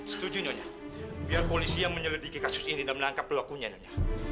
setuju nyonya biar polisi yang menyelidiki kasus ini dan menangkap pelakunya nyonya